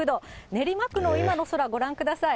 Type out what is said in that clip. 練馬区の今の空、ご覧ください。